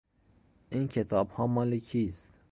این کتابها مال کیست؟